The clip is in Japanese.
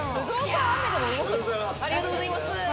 ありがとうございます。